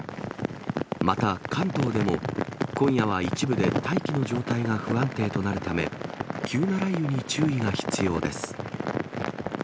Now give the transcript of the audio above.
また関東でも、今夜は一部で大気の状態が不安定となるため、急な雷雨に注意が必要です。